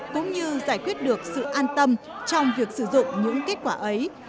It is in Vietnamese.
cũng như giải quyết được sự an tâm trong việc sử dụng những kết quả ấy